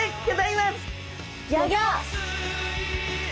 ギョギョ！